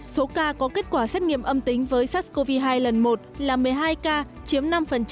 số ca có kết quả xét nghiệm âm tính với sars cov hai lần một là một mươi hai ca chiếm năm